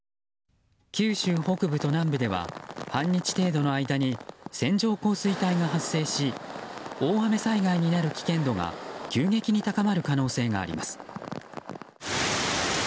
九州北部と南部では半日程度の間に線状降水帯が発生し大雨災害になる危険度が急激に高まる可能性があります。